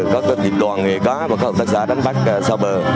các tiệm đoàn nghề cá và các hộp tác giả đánh bắt xa bờ